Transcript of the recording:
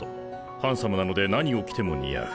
ハンサムなので何を着ても似合う。